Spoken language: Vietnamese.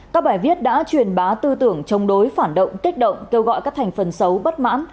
các bài viết đã truyền bá tư tưởng chống đối phản động kích động kêu gọi các thành phần xấu bất mãn